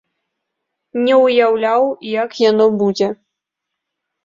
Не ўяўляў, як яно будзе.